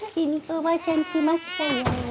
おばあちゃん来ましたよ